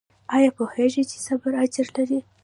ایا پوهیږئ چې صبر اجر لري؟